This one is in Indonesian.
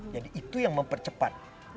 jadi itu yang mempercepat